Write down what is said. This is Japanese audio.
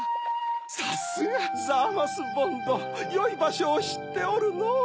さすがザーマス・ボンドよいばしょをしっておるのぅ。